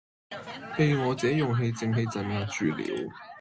被我這勇氣正氣鎭壓住了。